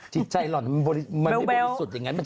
จิตใจหล่อนมันไม่บริสุทธิ์อย่างนั้น